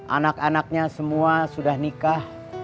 anak anaknya semua sudah nikah